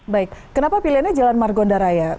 baik kenapa pilihannya jalan margonda raya